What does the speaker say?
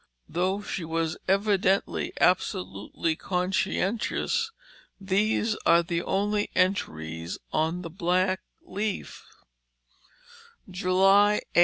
Though she was evidently absolutely conscientious these are the only entries on the "Black Leaf": "July 8.